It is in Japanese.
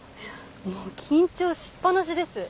もう緊張しっぱなしです。